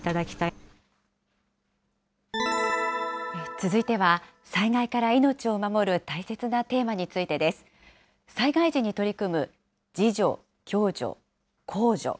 続いては、災害から命を守る大切なテーマについてです。災害時に取り組む、自助、共助、公助。